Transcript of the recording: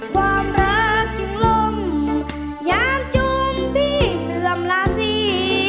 ความรักจึงลมยามจมตี้เสื่อมราศี